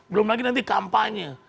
belum lagi nanti kampanye